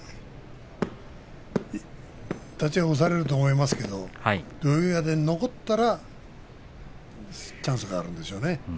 立ち合い押されると思いますけれど土俵際で残ったらチャンスがあるんでしょうね。